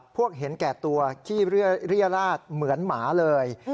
เห็นแก่ตัวขี้เรียราชเหมือนหมาเลย